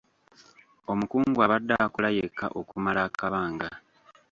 Omukungu abadde akola yekka okumala akabanga.